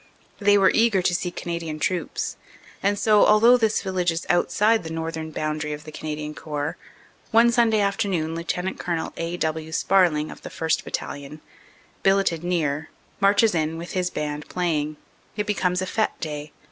They were eager to see Canadian troops and so, although this village is outside the northern boundary of the Canadian Corps, one Sunday afternoon Lt. Col. A. W. Sparling, of the 1st. Battalion, billeted near, marches in with his band playing. It becomes a fete day.